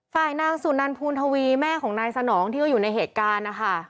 นางสุนันภูณทวีแม่ของนายสนองที่ก็อยู่ในเหตุการณ์นะคะ